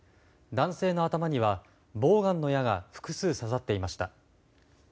男性の頭にはボーガンの矢が複数刺さっていました。